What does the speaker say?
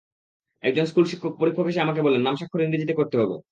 একজন স্কুলশিক্ষক পরীক্ষক এসে আমাকে বললেন, নাম স্বাক্ষর ইংরেজিতে করতে হবে।